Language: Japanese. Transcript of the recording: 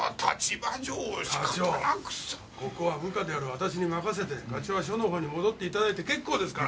ここは部下である私に任せて課長は署の方に戻っていただいて結構ですから。